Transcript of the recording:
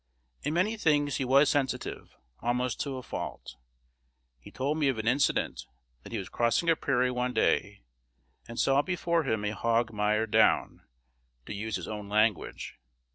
In many things he was sensitive, almost to a fault. He told me of an incident: that he was crossing a prairie one day, and saw before him "a hog mired down," to use his own language.